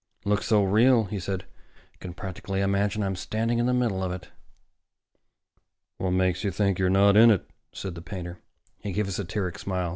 "Looks so real," he said, "I can practically imagine I'm standing in the middle of it." "What makes you think you're not in it?" said the painter. He gave a satiric smile.